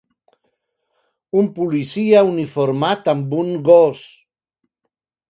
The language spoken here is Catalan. Un policia uniformat amb un gos.